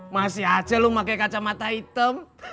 masih aja lu pakai kacamata hitam